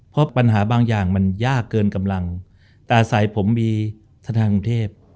เพราะปัญหาบางอย่างมันยากเกินกำลังแต่อาศัยผมมีธนาคารกรุงเทพ